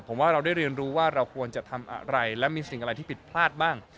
ผมว่าเราได้เรียนรู้ว่าเราควรจะทำอะไรและมีสิ่งอะไรที่ผิดพลาดบ้าง